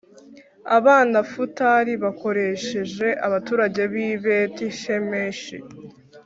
Abanafutali bakoresheje abaturage b’i Beti-Shemeshi